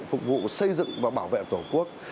phục vụ xây dựng và bảo vệ tổ quốc